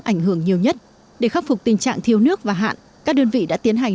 ảnh hưởng nhiều nhất để khắc phục tình trạng thiếu nước và hạn các đơn vị đã tiến hành